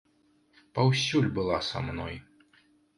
Паўсюль была са мной.